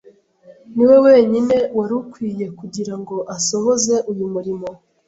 ni we wenyine wari ukwiriye kugira ngo asohoze uyu murimo.